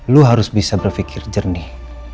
lu harus bisa berpikir jernih